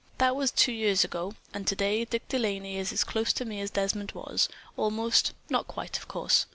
That was two years ago, and today Dick De Laney is as close to me as Desmond was, almost, not quite, of course.